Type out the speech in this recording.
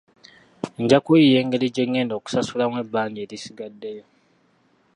Nja kuyiiya engeri gye ngenda okusasulamu ebbanja erisigaddeyo.